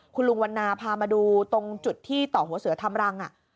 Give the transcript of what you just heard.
คุณลุงวันนาพามาดูตรงจุดที่ต่อหัวเสือทำรัง